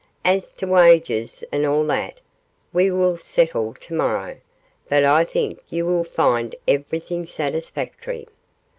As to wages and all that, we will settle to morrow, but I think you will find everything satisfactory.